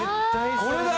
これだ！